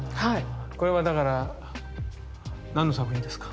これはだから何の作品ですか？